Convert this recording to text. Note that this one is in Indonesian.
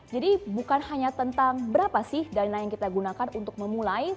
jadi bukan hanya tentang berapa sih dana yang kita gunakan untuk memulai